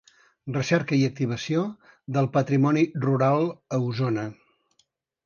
Recerca i activació del patrimoni rural a Osona.